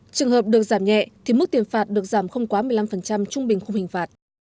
trường hợp được giảm nhẹ thì mức tiền phạt được giảm không quá một mươi năm trung bình không hình phạt